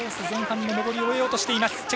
前半上りを終えようとしています。